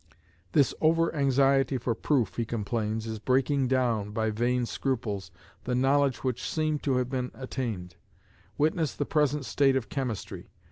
This over anxiety for proof, he complains, is breaking down, by vain scruples, the knowledge which seemed to have been attained; witness the present state of chemistry.